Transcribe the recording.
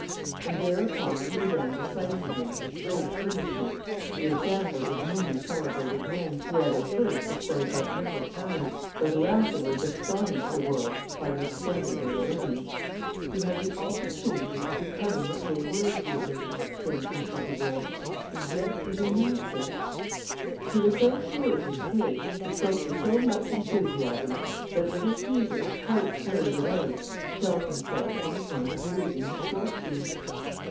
And thereupon he began to cite to him, with great earnestness, the examples of many celebrated men, who had at first displayed but little talent, but who afterwards astonished the world by the extent of their learning. "You have the opportunity of becoming what they were, Peter," exclaimed M. Dubourg, "and yet you renounce it." He was so sure of his case, and spoke with so much enthusiasm, that little Peter, quite carried away, felt himself on the point of losing his fortune.